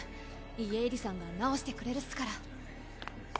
家入さんが治してくれるっすから。